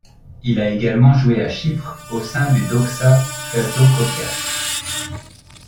Il a également joué à Chypre au sein du Doxa Katokopias.